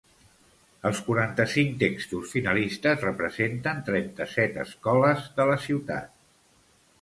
Els quaranta-cinc textos finalistes representen trenta-set escoles de la ciutat.